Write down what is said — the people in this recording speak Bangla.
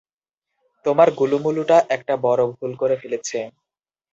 তোমার গুলুমুলুটা একটা বড় ভুল করে ফেলেছে!